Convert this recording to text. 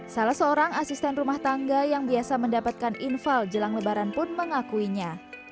salah seorang asisten rumah tangga yang biasa mendapatkan infal jelang lebaran pun mengakuinya